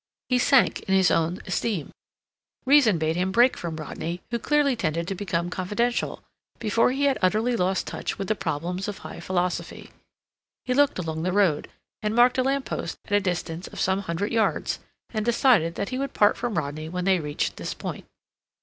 He sank in his own esteem. Reason bade him break from Rodney, who clearly tended to become confidential, before he had utterly lost touch with the problems of high philosophy. He looked along the road, and marked a lamp post at a distance of some hundred yards, and decided that he would part from Rodney when they reached this point.